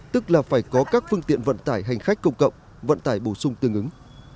tức là phải có các phương tiện vận tải hành khách công cộng vận tải bổ sung tương ứng